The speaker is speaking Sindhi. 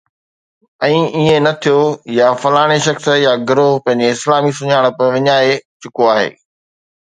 ۽ ائين نه ٿيو آهي، يا فلاڻي شخص يا گروهه پنهنجي اسلامي سڃاڻپ وڃائي چڪو آهي